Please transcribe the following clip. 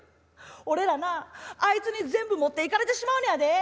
俺らなあいつに全部持っていかれてしまうねやで！